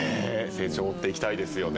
成長を追っていきたいですよね。